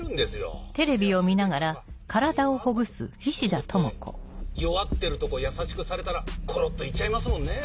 男って弱ってるとこ優しくされたらコロっと行っちゃいますもんね。